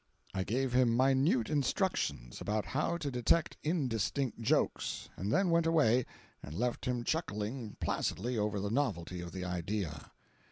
I gave him minute instructions about how to detect indistinct jokes, and then went away, and left him chuckling placidly over the novelty of the idea.